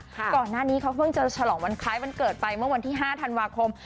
ก่อนหน้านี้เขาเพิ่งจะฉลองวันคล้ายวันเกิดไปเมื่อวันที่๕ธันวาคม